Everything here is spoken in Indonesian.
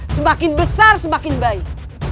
semakin besar semakin baik